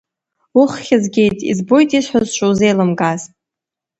Уххьзгеит, избоит исҳәаз шузеилымкааз!